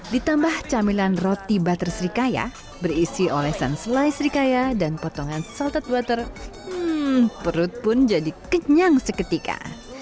ditambah camilan roti butter srikaya berisi olesan selai srikaya dan potongan salted water perut pun jadi kenyang seketika